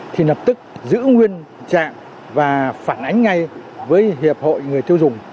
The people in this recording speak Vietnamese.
thì lập tức giữ nguyên trạng và phản ánh ngay với hiệp hội người tiêu dùng